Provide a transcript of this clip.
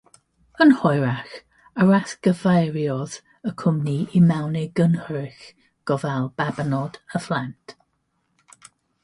Yn hwyrach, arallgyfeiriodd y cwmni i mewn i gynnyrch gofal babanod a phlant.